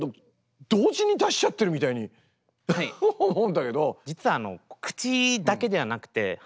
同時に出しちゃってるみたいに思うんだけど。